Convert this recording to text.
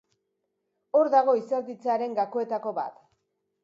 Hor dago izerditzearen gakoetako bat.